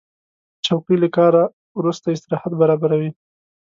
چوکۍ له کار وروسته استراحت برابروي.